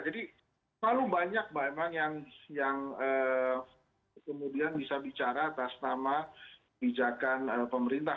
jadi terlalu banyak yang bisa bicara atas nama bijakan pemerintah